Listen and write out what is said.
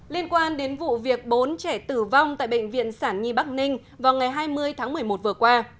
liên quan đến vụ việc bốn trẻ tử vong tại bệnh viện sản nhi bắc ninh vào ngày hai mươi tháng một mươi một vừa qua